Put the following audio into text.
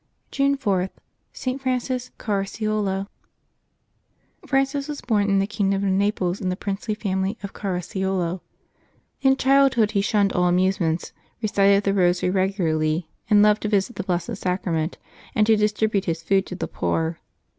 June 4.— ST. FRANCIS CARACCIOLO. HEANCis was born in the kingdom of Naples, of the princely family of Caracciolo. In childhood he shunned all amusements, recited the Rosary regularly, and loved to visit the Blessed Sacrament and to distribute his food to the poor.